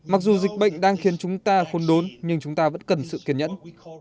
mặc dù dịch bệnh đang khiến chúng ta khôn đốn nhưng chúng ta vẫn cần sự kiên nhẫn